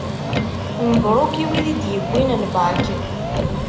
Mebruk i wid i d-yewwin lbak.